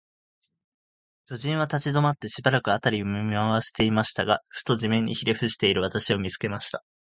巨人は立ちどまって、しばらく、あたりを見まわしていましたが、ふと、地面にひれふしている私を、見つけました。